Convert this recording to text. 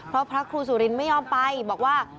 เพราะพระครูสุรินไม่ยอมไปบอกว่า